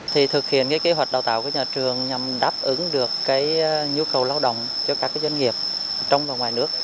thì thực hiện kế hoạch đào tạo của nhà trường nhằm đáp ứng được cái nhu cầu lao động cho các doanh nghiệp trong và ngoài nước